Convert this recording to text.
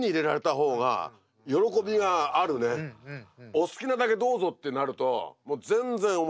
お好きなだけどうぞってなるともう全然面白くない。